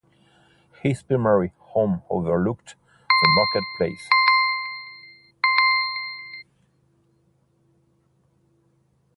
His primary home overlooked the market place.